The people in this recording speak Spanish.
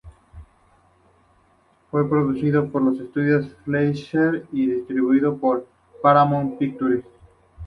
Fue producido por los Estudios Fleischer y distribuido por Paramount Pictures.